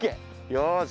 よし。